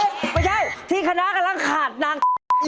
ไม่ใช่ที่คณะกำลังขาดนาง